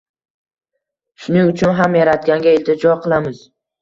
Shuning uchun ham Yaratganga iltijo qilamiz.